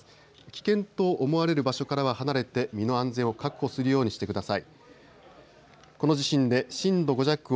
危険と思われる場所からは離れて身の安全を確保するようにしてください。